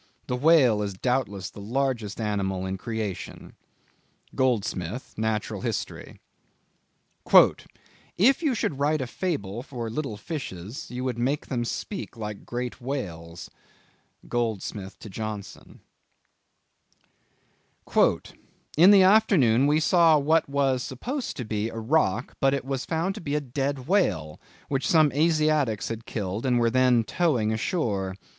The whale is doubtless the largest animal in creation." —Goldsmith, Nat. Hist. "If you should write a fable for little fishes, you would make them speak like great whales." —Goldsmith to Johnson. "In the afternoon we saw what was supposed to be a rock, but it was found to be a dead whale, which some Asiatics had killed, and were then towing ashore.